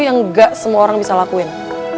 yang gak semua orang bisa lakuin